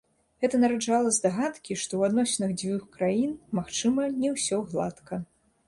Гэта нараджала здагадкі, што ў адносінах дзвюх краін, магчыма, не ўсё гладка.